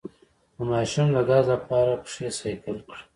د ماشوم د ګاز لپاره پښې سایکل کړئ